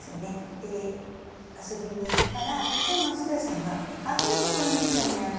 で遊びに行ったら松任谷さんが「あっいいところに来たね亜美。